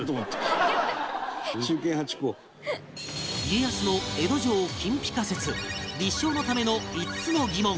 「家康の江戸城金ピカ説」立証のための５つの疑問